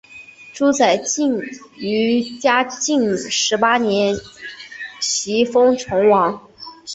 朱载境于嘉靖十八年袭封崇王。